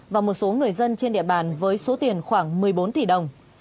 và một số người dân trên địa bàn với số tiền khoảng một mươi bốn tỷ đồng